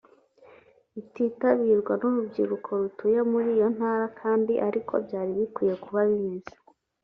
ititabirwa n’urubyiruko rutuye muri iyo ntara kandi ari ko byari bikwiye kuba bimeze